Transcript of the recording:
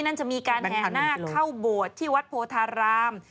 นั่นจะมีการแห่หน้าเข้าโบสถ์ที่วัดโพธาราม